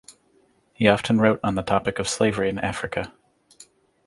He often wrote on the topic of slavery in Africa.